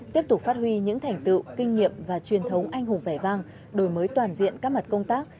tiếp tục phát huy những thành tựu kinh nghiệm và truyền thống anh hùng vẻ vang đổi mới toàn diện các mặt công tác